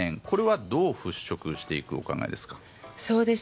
これはどう払拭していくお考えですか？